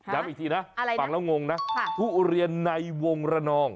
อีกทีนะฟังแล้วงงนะทุเรียนในวงระนอง